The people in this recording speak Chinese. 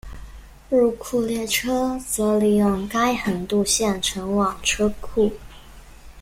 入库列车则利用该横渡线前往车库。